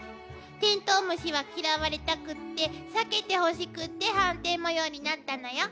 テントウムシは嫌われたくって避けてほしくってはんてん模様になったのよ。